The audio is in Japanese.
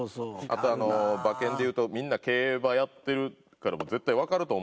あと馬券でいうとみんな競馬やってるから絶対わかると思うんですけど。